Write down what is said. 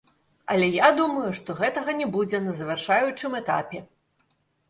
Але я думаю, што гэтага не будзе на завяршаючым этапе.